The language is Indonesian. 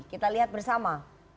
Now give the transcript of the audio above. kita lihat bersama